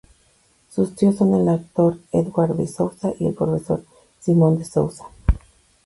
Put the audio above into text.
Sus tíos son el actor Edward de Souza y el profesor Simon de Souza.